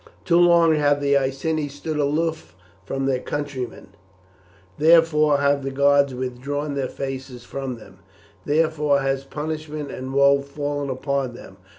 "Too long have the Iceni stood aloof from their countrymen, therefore have the gods withdrawn their faces from them; therefore has punishment and woe fallen upon them.